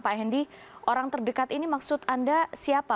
pak hendi orang terdekat ini maksud anda siapa